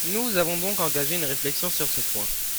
Nous avons donc engagé une réflexion sur ce point.